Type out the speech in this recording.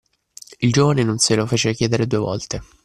Il giovane non se lo fece chiedere due volte